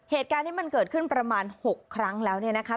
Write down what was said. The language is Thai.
เหตุการณ์นี้มันเกิดขึ้นประมาณ๖ครั้งแล้วเนี่ยนะคะ